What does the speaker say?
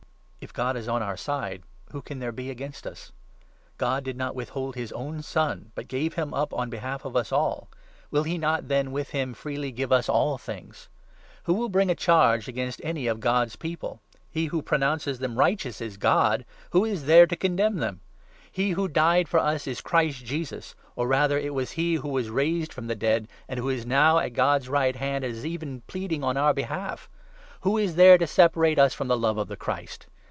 If God 31 is on our side, who can there be against us ? God did not 32 withhold his own Son, but gave him up on behalf of us all; will he not, then, with him, freely give us all things ? Who 33 will bring a charge against any of God's People ? He who pronounces them righteous is God ! Who is there to condemn 34 them ? He who died for us is Christ Jesus !— or, rather, it was he who was raised from the dead, and who is now at God's right hand and is even pleading on our behalf ! Who is there 35 to separate us from the love of the Christ